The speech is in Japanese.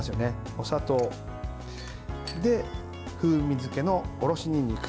で、風味付けのおろしにんにく。